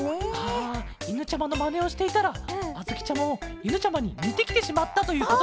あいぬちゃまのまねをしていたらあづきちゃまもいぬちゃまににてきてしまったということケロね？